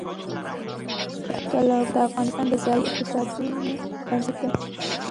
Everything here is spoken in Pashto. تالابونه د افغانستان د ځایي اقتصادونو بنسټ دی.